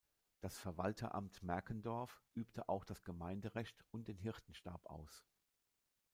Das Verwalteramt Merkendorf übte auch das Gemeinderecht und den Hirtenstab aus.